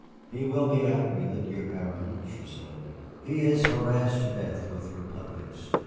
"He will be angry, the dear Baron," she said. "He is harassed to death with republics.